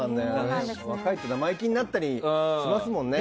若いと生意気になったりしますもんね。